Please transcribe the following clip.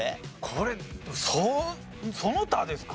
これその他ですか。